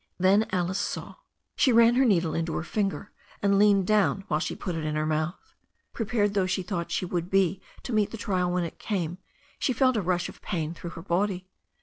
Then Alice saw. She ran her needle into her finger, and leaned down while she put it in her mouth. Prepared though she thought she would be to meet the trial when it came, she felt a rush of pain through her body.